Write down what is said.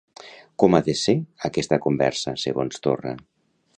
Com ha de ser aquesta conversa, segons Torra?